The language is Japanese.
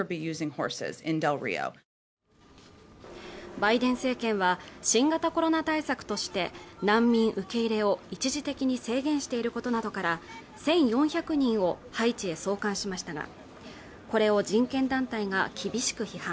バイデン政権は新型コロナ対策として、難民受け入れを一時的に制限していることなどから、１４００人をハイチへ送還しましたが、これを人権団体が厳しく批判。